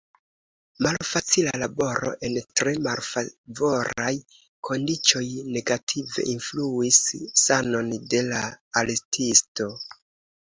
Malfacila laboro en tre malfavoraj kondiĉoj negative influis sanon de la artisto.